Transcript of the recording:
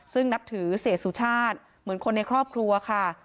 ซึ่งนับถือเสียสุชาติเหมือนคนในครอบครัวค่ะ